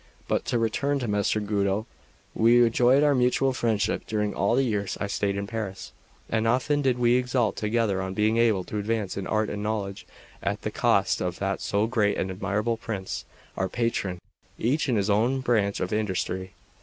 But to return to Messer Guido. We enjoyed our mutual friendship during all the years I stayed in Paris, and often did we exult together on being able to advance in art and knowledge at the cost of that so great and admirable prince, our patron, each in his own branch of industry.